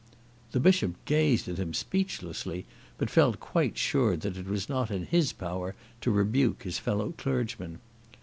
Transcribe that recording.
The Bishop gazed at him speechlessly, but felt quite sure that it was not in his power to rebuke his fellow clergyman.